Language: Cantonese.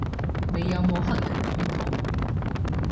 你有冇黑人血統